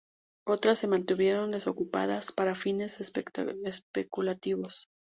Otras se mantuvieron desocupadas, para fines especulativos.